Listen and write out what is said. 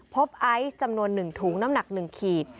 พบไอซ์จำนวนหนึ่งถุงน้ำหนักหนึ่งขีด